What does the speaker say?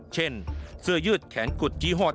เช่นเสื้อยืดแขนกุดยี่ห้อ